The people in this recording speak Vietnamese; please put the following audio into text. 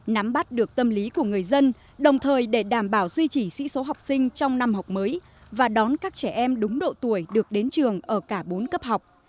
nắm bắt được tâm lý của người dân đồng thời để đảm bảo duy trì sĩ số học sinh trong năm học mới và đón các trẻ em đúng độ tuổi được đến trường ở cả bốn cấp học